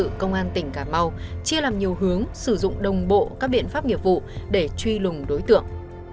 công an tỉnh cà mau chia làm nhiều hướng sử dụng đồng bộ các biện pháp nghiệp vụ để truy lùng đối tượng